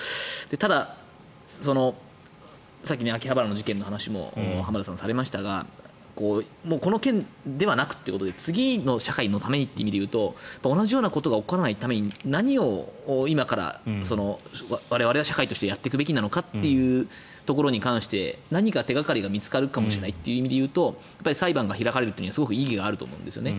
ただ、さっきの秋葉原の事件も浜田さんがされましたがこの件ではなくということで次の社会のためにという意味で言うと同じようなことが起こらないために何を今から我々は社会としてやっていくべきなのかというところに関して何か手掛かりが見つかるかもしれないという意味で裁判が開かれるというのは意義があると思うんですね。